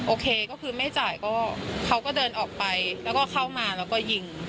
โอเคก็คือไม่จ่ายก็เขาก็เดินออกไปแล้วก็เข้ามาแล้วก็ยิง